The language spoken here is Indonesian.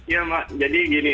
ya jadi gini